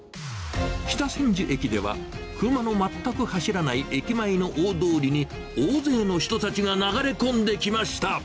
北千住駅では、車の全く走らない駅前の大通りに大勢の人たちが流れ込んできました。